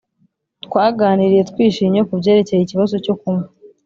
twaganiriye twishimye kubyerekeye ikibazo cyo kunywa.